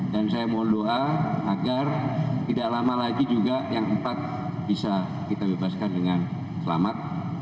dan saya mohon doa agar tidak lama lagi juga yang empat bisa kita bebaskan dengan selamat